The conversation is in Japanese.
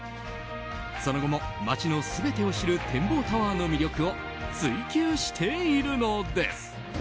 その後も、街の全てを知る展望タワーの魅力を追求しているのです。